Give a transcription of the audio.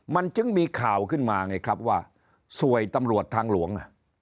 มันจึงมีข่าวขึ้นมาไงครับว่าสวยตำรวจทางหลวง